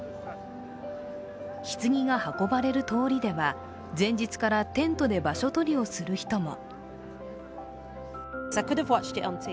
ひつぎが運ばれる通りでは、前日からテントで場所取りをする人も。